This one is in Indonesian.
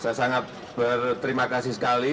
saya sangat berterima kasih sekali